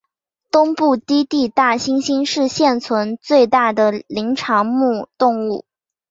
东部低地大猩猩是现存最大的灵长目动物。